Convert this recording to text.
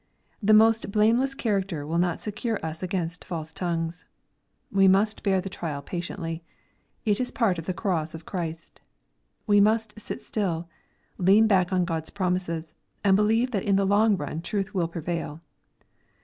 The most blameless character will not secure us against false tongues. We must bear the trial patiently. It is part of the cross of Christ. We must Bit still, lean back on God's promises, and believe that in the long run truth will prevail.